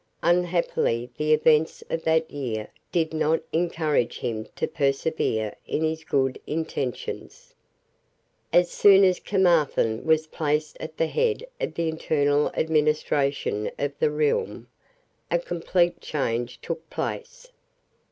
Unhappily the events of that year did not encourage him to persevere in his good intentions. As soon as Caermarthen was placed at the head of the internal administration of the realm, a complete change took place.